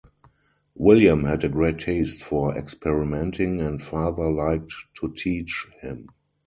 William had a great taste for experimenting, and Father liked to teach him.